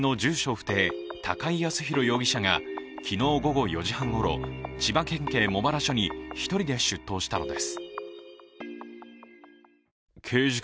不定、高井靖弘容疑者が昨日午後４時半ごろ、千葉県警茂原署に１人で出頭したのです。